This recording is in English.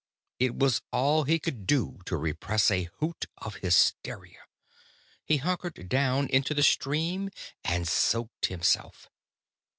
It was all he could do to repress a hoot of hysteria. He hunkered down into the stream and soaked himself.